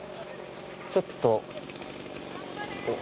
ちょっと。